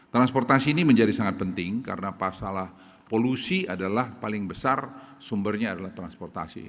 transportasi ini menjadi sangat penting karena masalah polusi adalah paling besar sumbernya adalah transportasi